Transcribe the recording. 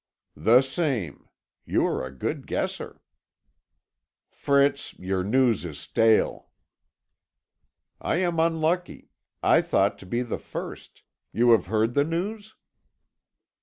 "The same. You are a good guesser." "Fritz, your news is stale." "I am unlucky; I thought to be the first. You have heard the news?"